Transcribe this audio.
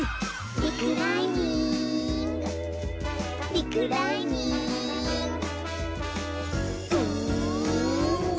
「リクライニング」「リクライニング」ウーワォ！